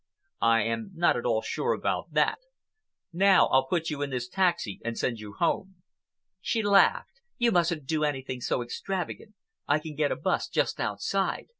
"I am not at all sure about that. Now I'll put you in this taxi and send you home." She laughed. "You mustn't do anything so extravagant. I can get a 'bus just outside.